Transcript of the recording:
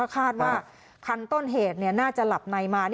คาดว่าคันต้นเหตุน่าจะหลับในมา